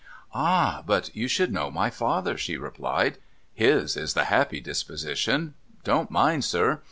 ' Ah ! But you should know my father,' she replied. ' His is the happy disposition !— Don't mind, sir